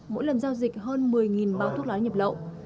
mỗi lần giao dịch hơn một mươi bao thuốc lá nhập lậu